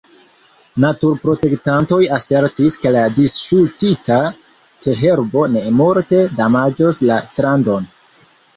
Naturprotektantoj asertis, ke la disŝutita teherbo ne multe damaĝos la strandon.